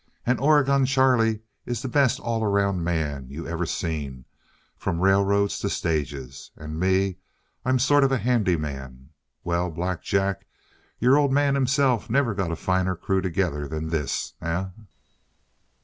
And Oregon Charlie is the best all around man you ever seen, from railroads to stages. And me I'm sort of a handyman. Well, Black Jack, your old man himself never got a finer crew together than this, eh?"